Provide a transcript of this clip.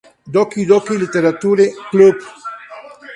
Doki Doki Literature Club!